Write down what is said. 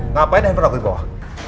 ngapain ada handphone aku di bawah